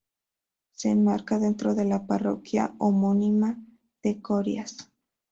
Se enmarca dentro de la parroquia homónima de Corias.